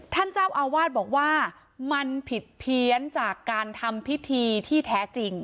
ท่านเจ้าอาวาสบอกว่ามันผิดเพี้ยนจากการทำพิธีที่แท้จริง